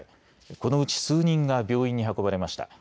このうち数人が病院に運ばれました。